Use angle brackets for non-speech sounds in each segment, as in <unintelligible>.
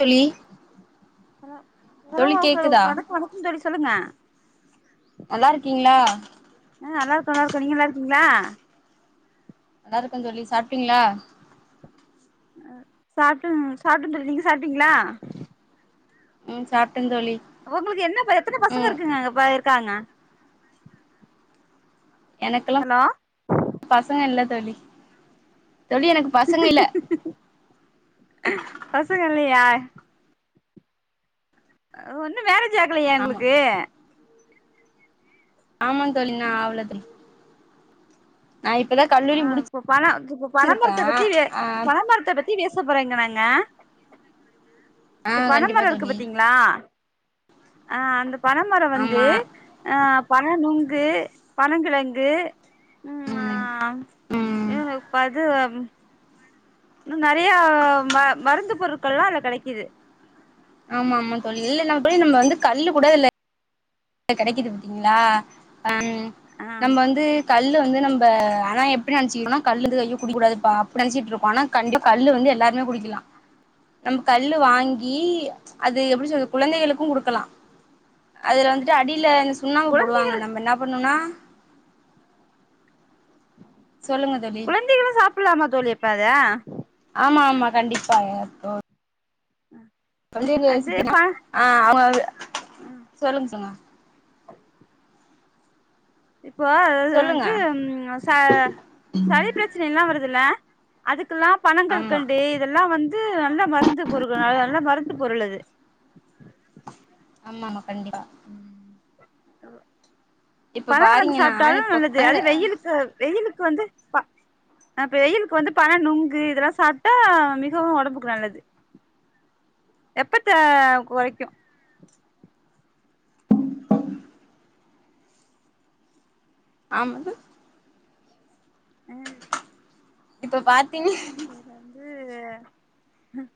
தோழி அத தோழி <unintelligible> கேக்குதா ம்வணக்கம் தோழி சொல்லுங்க நல்லாயிருக்கீங்ளா ஆ நல்லாருக்கோ நல்லாருக்கோ நீங்க நல்லாயிருக்கீங்ளா நல்லாயிருகோ தோழி சாப்ட்டீங்ளா சாப்டு சாப்ட்டுட்ருக நீங்க சாப்டீங்ளா ம் சாப்ட தோழி உங்ளுக்கு என்ன பய எத்தன பசங்க ம் இருக்குங்க பய இருக்காங்க எனக்கெலா ஹலோ பசங்க இல்ல தோழி தோழி எனக் பசங்க இல்ல பசங்க இல்லயா ஒன்னு மேரேஜ் ஆகலயா ஆமா உங்ளுக்கு ஆமா தோழி இன்னு ஆவள தோழி நா இப்பதா காட் ஆ இப்ப பண இப்ப பனமரத்த பத்தி வே ஆ பனமரத்த பத் த்தி பேசபோறேங்க நாங்க ஆ இந் கண்டிப்பா பனமரோ இருக்கு தோழி பத்தீங்ளா ஆ அந்த பனமரம் வந்து ஆமா ஆ பன நுங்கு பனங்கிழங்கு ம் எனக் பது இன்னு நறையா மருந்து பொருட்கள்லா அதுல கடைக்கிது ஆமா ஆமா தோழி இல்ல நம்ம போய் நம்ம வந்து கல்லு கூட இல்ல கடைக்குது பத்திங்ளா ஆம் ஆ நம்ம வந்து கல்லு வந்து நம்ப ஆனா எப்டி நினச்சிகிரோனா கல்லுந்து அய்யோ குடிக்கூடாதுபா அப்டி நினச்சிட்ருபோ ஆனா கண்டிப் கல்லு வந்து எல்லாருமே குடிக்லா நம்ம கல்லு வாங்கி அது எப்டி சொல்றது குழதைகளுக்கும் குடுக்கலா அதுல வந்துட்டு அடில சுண்ணாம்பு குழந்தை போடுவாங்க நம்ம என்னா பண்ணுனா சொல்லுங்க தோழி குழந்தைகளு சாப்பலாமா தோழி அப்ப அத ஆமா ஆமா கண்டிப்பாக தோ அ பள்ளி நிகழ்ச்சிக்குனா ஆ அவுங்க வ சொல்லுங்க சொல்லுங்க இப்போ அது சொல்லுங்க வந்து ச சளி பிரச்சன எல்லா வருதில்ல அதுக்கெல்லா பணங் ஆமா கல்கண்டு இதெல்லா வந்து நல்ல மருந்து பொரு நல்ல மருந்து பொருளது ஆமாமா கண்டிப்பா இப்ப பனங்கிழங்கு பாத்தீங்கன்னா சாப்ட்டாலு இப்ப நல்லது அங்க அது வெயிலுக்கு வெயிலுக்கு வந்து ப ஆ வெயிலுக்கு வந்து பண நுங்கு இதெல்லா சாப்ட்டா மிகவு ஒடம்புக்கு நல்லது வெப்பத்த கொறைக்கு ஆமது அ இப்ப பாத்தீங் இதுல வந்து அ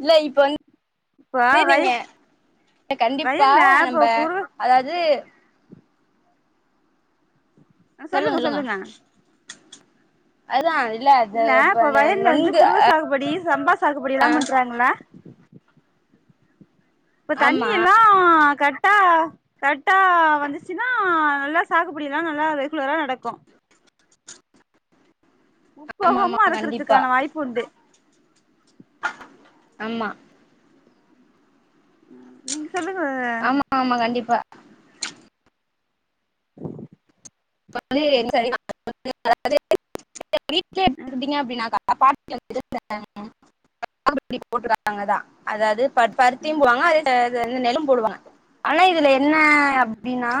இல்ல இப்ப வந்து வய நீங்க கண்டிப்பா வயல்ல இப்ப நம்ப குரு அதாது சொல்லுங்க சொல்லுங்க அதான் இல்ல அது இல்ல இப்ப அந்த வயல்ல வந்து நொங்கு குருவ சாகுபடி சம்பா சாகுபடியெல்லா பண்றாங்ளா இப்ப ஆமா தண்ணியெல்லா கட் டா கரெக்டா வந்துச்சுனா நல்லா சாகபடியெல்லா நல்லா ரெகுலரா நடக்கு ஆமா முப்போகமு ஆமா கண்டிப்பா அறுக்கறதுக்கான வாய்ப்புண்டு ஆமா ம் நீங்க சொல்லுங்க ஆமா ஆமாங் கண்டிப்பா இப்ப வந்து <inaudible> வீட்லே எடுத்து வந்ட்டீங்க அப்டின்னாக்கா பா <inaudible> போட்டுருக்காங்க அதா அதாது பரு பருத்தியும் போவாங்க அதே நெல் நெல்லும் போடுவாங்க ஆனா இதுல என்ன அப்டின்னா